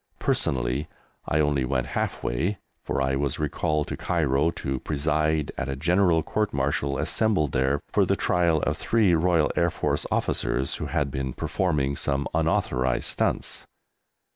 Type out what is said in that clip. Personally I only went half way, for I was recalled to Cairo to preside at a General Court Martial assembled there for the trial of three Royal Air Force officers who had been performing some unauthorised stunts.